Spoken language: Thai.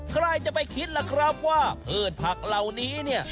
ใครจะไปคิดล่ะครับว่าพืชผักเหล่านี้เนี่ย